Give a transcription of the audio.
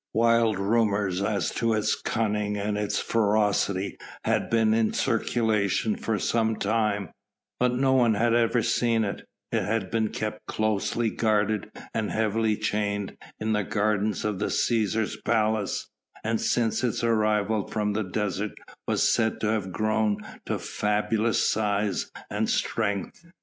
Wild rumours as to its cunning and its ferocity had been in circulation for some time, but no one had ever seen it; it had been kept closely guarded and heavily chained in the gardens of the Cæsar's palace, and since its arrival from the desert was said to have grown to fabulous size and strength.